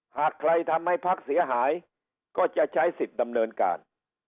หากใครทำให้พักเสียหายก็จะใช้สิทธิ์ดำเนินการ